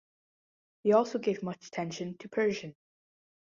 He also gave much attention to Persian.